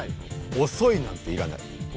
おそいなんていらない。